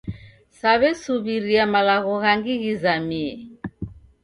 Saw'esuw'iria malagho ghangi ghizamie